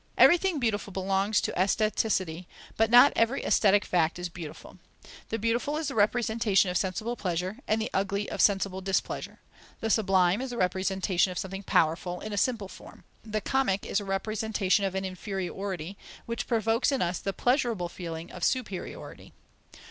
Everything beautiful belongs to aestheticity, but not every aesthetic fact is beautiful. The beautiful is the representation of sensible pleasure, and the ugly of sensible displeasure. The sublime is the representation of something powerful, in a simple form. The comic is the representation of an inferiority, which provokes in us the pleasurable feeling of "superiority."